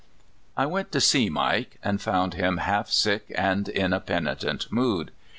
I went to see Mike, and found him half sick and in a penitent mood.